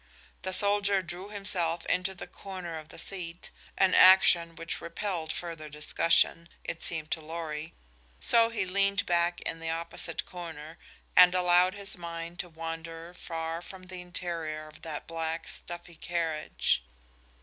The soldier drew himself into the corner of the seat, an action which repelled further discussion, it seemed to Lorry, so he leaned back in the opposite corner and allowed his mind to wander far from the interior of that black, stuffy carriage.